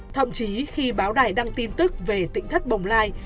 thậm chí khi báo đài đăng tin tức về tỉnh thất bồng lai